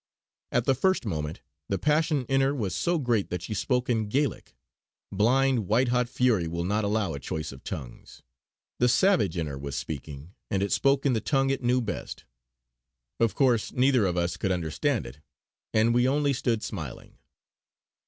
At the first moment the passion in her was so great that she spoke in Gaelic; blind, white hot fury will not allow a choice of tongues. The savage in her was speaking, and it spoke in the tongue it knew best. Of course neither of us could understand it, and we only stood smiling.